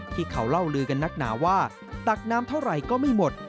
ที่เขาเล่าลือกันนักหนาว่าตักน้ำเท่าไหร่ก็ไม่หมด